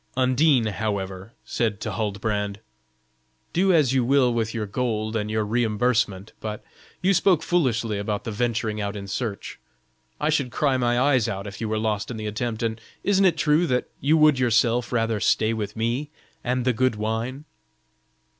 Undine, however, said to Huldbrand: "Do as you will with your gold and your reimbursement; but you spoke foolishly about the venturing out in search; I should cry my eyes out, if you were lost in the attempt, and isn't it true, that you would yourself rather stay with me and the good wine."